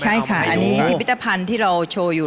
ใช่ค่ะอันนี้พิพิธภัณฑ์ที่เราโชว์อยู่